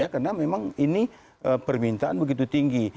karena memang ini permintaan begitu tinggi